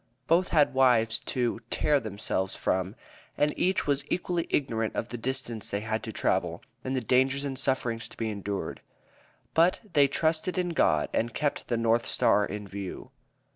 Both had wives to "tear themselves from," and each was equally ignorant of the distance they had to travel, and the dangers and sufferings to be endured. But they "trusted in God" and kept the North Star in view.